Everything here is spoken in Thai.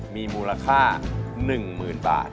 มีมูลค่า๑๐๐๐บาท